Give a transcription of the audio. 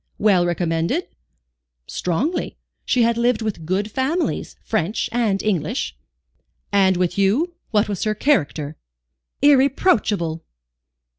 "Well recommended?" "Strongly. She had lived with good families, French and English." "And with you, what was her character?" "Irreproachable."